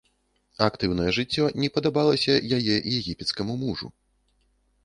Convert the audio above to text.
Актыўнае жыццё не падабалася яе егіпецкаму мужу.